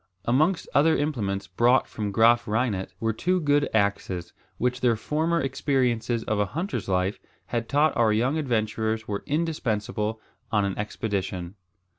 Amongst other implements brought from Graaf Reinet were two good axes, which their former experiences of a hunter's life had taught our young adventurers were indispensable on an expedition.